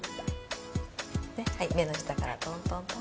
目の下からトントントン。